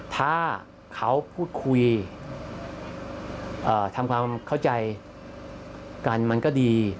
ถ้าเขาพูดคุยทำความเข้าใจกันมันก็ดี